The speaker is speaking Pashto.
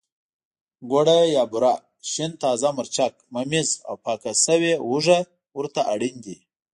ګوړه یا بوره، شین تازه مرچک، ممیز او پاکه شوې هوګه ورته اړین دي.